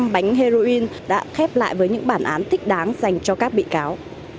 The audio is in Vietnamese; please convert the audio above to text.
một nghìn bốn trăm một mươi năm bánh heroin đã khép lại với những bản án thích đáng dành cho các bị cáo